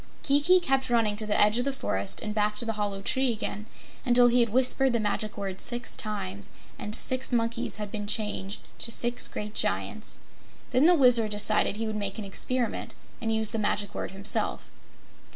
Kiki kept running to the edge of the forest and back to the hollow tree again until he had whispered the Magic Word six times and six monkeys had been changed to six great Giants. Then the Wizard decided he would make an experiment and use the Magic Word himself.